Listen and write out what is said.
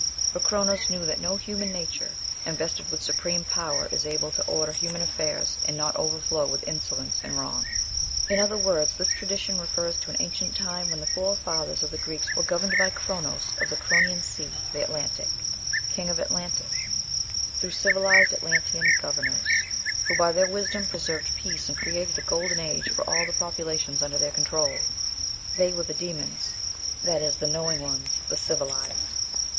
for Cronos knew that no human nature, invested with supreme power, is able to order human affairs and not overflow with insolence and wrong." In other words, this tradition refers to an ancient time when the forefathers of the Greeks were governed by Chronos, of the Cronian Sea (the Atlantic), king of Atlantis, through civilized Atlantean governors, who by their wisdom preserved peace and created a golden age for all the populations under their control they were the demons, that is, "the knowing ones," the civilized.